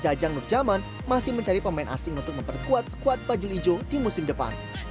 ajang nurjaman masih mencari pemain asing untuk memperkuat skuad baju lijung di musim depan